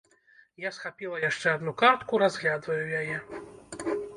Я схапіла яшчэ адну картку, разглядваю яе.